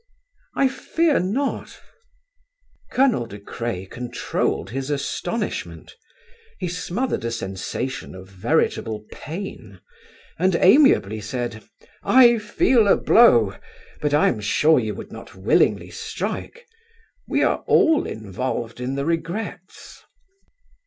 "I fear not." Colonel De Craye controlled his astonishment; he smothered a sensation of veritable pain, and amiably said: "I feel a blow, but I am sure you would not willingly strike. We are all involved in the regrets."